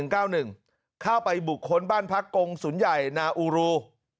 เข้าไปบุคคลบ้านพักกงศูนย์ใหญ่นาอูรู